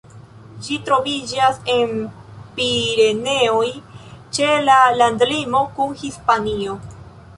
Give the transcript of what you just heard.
Ĝi troviĝas en Pireneoj, ĉe la landlimo kun Hispanio.